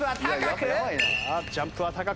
ジャンプは高く！